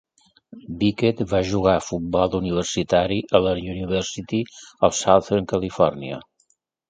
Bickett va jugar a futbol universitari a la University of Southern California.